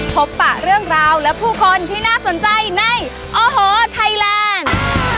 ปะเรื่องราวและผู้คนที่น่าสนใจในโอ้โหไทยแลนด์